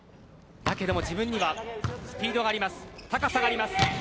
だけど自分にはスピードがあります高さがあります。